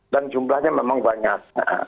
dan jumlahnya memang banyak